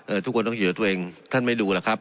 เอ่อทุกคนต้องอยู่ตัวตัวเองท่านไม่ดูหรอกครับ